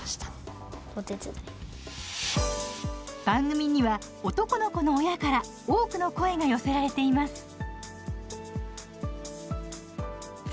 番組には男の子の親から多くの声が寄せられています。